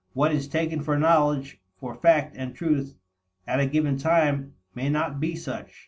What is taken for knowledge for fact and truth at a given time may not be such.